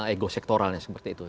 ego sektoralnya seperti itu